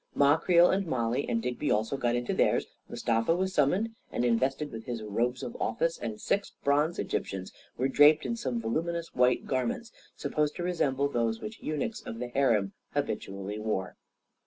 Ma Creel and Mollie and Digby also got into theirs, Mustafa was summoned and invested with his robes of office, and six bronze Egyptians were draped in some voluminous white garments supposed to resemble those which eunuchs of the harem habitually wore.